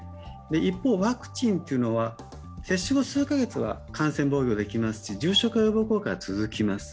一方、ワクチンというのは接種後数カ月は感染防御できますし重症化予防効果は続きます。